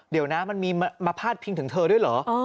เดี๋ยวนะมันมีมาพาดพิงถึงเธอด้วยเหรอ